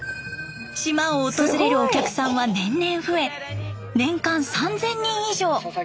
島を訪れるお客さんは年々増え年間３，０００人以上。